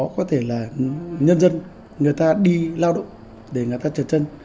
có thể là nhân dân người ta đi lao động để người ta trượt chân